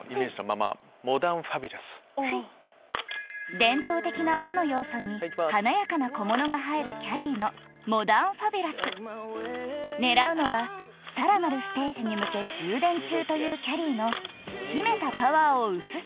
伝統的な和の要素に華やかな小物が入るきゃりーの狙うのはさらなるステージに向け充電中というきゃりーの秘めたパワーを写す